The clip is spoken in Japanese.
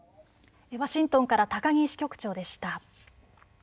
ワシントンから高木支局長でした。